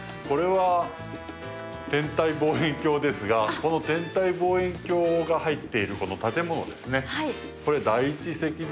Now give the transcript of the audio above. これは天体望遠鏡ですがこの天体望遠鏡が入っているこの建物ですね。